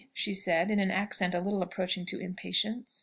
she said, in an accent a little approaching to impatience.